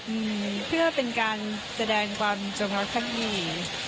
อืมเพื่อเป็นการแสดงความจงรักภักดี